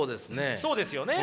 そうですよね。